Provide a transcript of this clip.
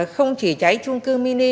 không chỉ cháy trung cư mini